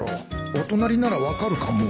お隣なら分かるかも